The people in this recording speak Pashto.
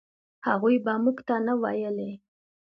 هغوی به موږ ته نه ویلې.